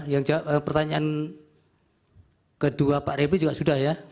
yang jawab pertanyaan kedua pak revie juga sudah ya